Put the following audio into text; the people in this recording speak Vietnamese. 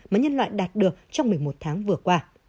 mà nhân loại đạt được trong một mươi một tháng vừa qua